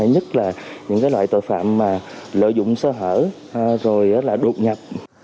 nhất là những loại tội phạm lợi dụng sơ hở rồi là đột nhập